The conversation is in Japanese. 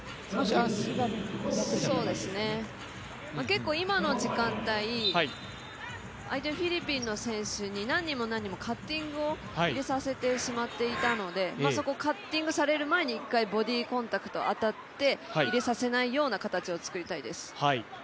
結構今の時間帯、相手フィリピンの選手に何人も何人もカッティングを入れさせてしまっていたので、そこカッティングされる前に１回ボディコンタクト、当たって入れさせないような形を作りたいです。